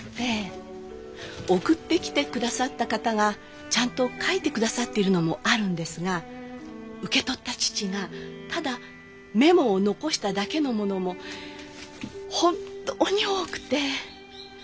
送ってきてくださった方がちゃんと書いてくださっているのもあるんですが受け取った父がただメモを残しただけのものも本当に多くて。